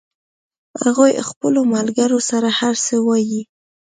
هغوی خپلو ملګرو سره هر څه وایي